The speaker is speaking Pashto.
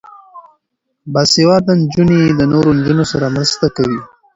باسواده نجونې د نورو نجونو سره مرسته کوي.